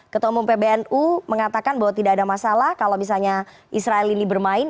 ketua umum pbnu mengatakan bahwa tidak ada masalah kalau misalnya israel ini bermain